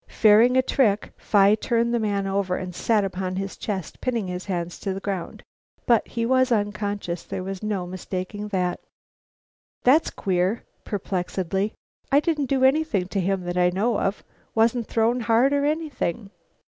Fearing a trick Phi turned the man over and sat upon his chest, pinning his hands to the ground. But he was unconscious; there was no mistaking that. "That's queer," perplexedly. "I didn't do anything to him that I know of. Wasn't thrown hard or anything."